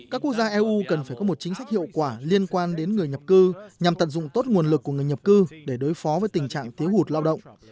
các quốc gia eu cần phải có một chính sách hiệu quả liên quan đến người nhập cư nhằm tận dụng tốt nguồn lực của người nhập cư để đối phó với tình trạng thiếu hụt lao động